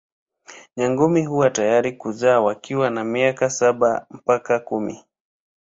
Nyangumi huwa tayari kuzaa wakiwa na miaka saba mpaka kumi.